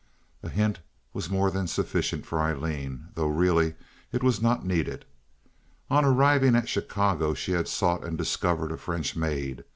A hint was more than sufficient for Aileen, though really it was not needed. On arriving at Chicago she had sought and discovered a French maid.